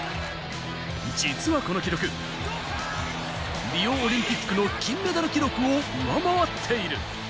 実はこの記録、リオオリンピックの金メダル記録を上回っている。